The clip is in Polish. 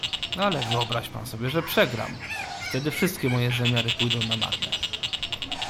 "Ale wyobraź pan sobie, że przegram, wtedy wszystkie moje zamiary pójdą na marne."